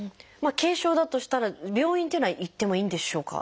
軽症だとしたら病院っていうのは行ってもいいんでしょうか？